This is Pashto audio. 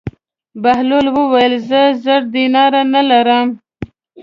بهلول وویل: زه زر دیناره نه لرم.